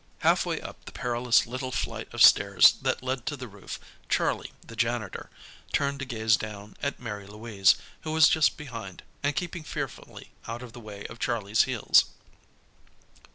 Half way up the perilous little flight of stairs that led to the roof, Charlie, the janitor, turned to gaze down at Mary Louise, who was just behind, and keeping fearfully out of the way of Charlie's heels.